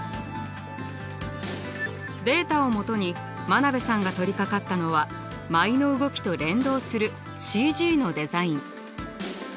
データをもとに真鍋さんが取りかかったのは舞の動きと連動するＣＧのデザイン。